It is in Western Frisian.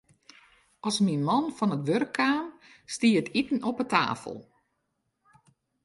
As myn man fan it wurk kaam, stie it iten op 'e tafel.